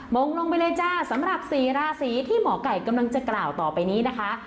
งงลงไปเลยจ้าสำหรับสี่ราศีที่หมอไก่กำลังจะกล่าวต่อไปนี้นะคะ